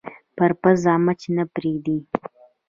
پر پزه مچ نه پرېږدي